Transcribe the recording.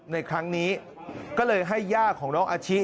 ในครั้งนี้ก็เลยให้ย่าของน้องอาชิ